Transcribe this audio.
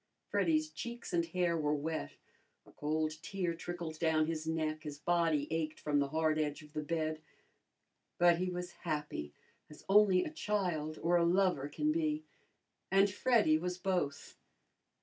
Freddy's cheeks and hair were wet, a cold tear trickled down his neck, his body ached from the hard edge of the bed; but he was happy, as only a child or a lover can be, and Freddy was both.